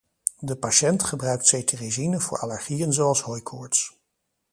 De patiënt gebruikt cetirizine voor allergieën zoals hooikoorts.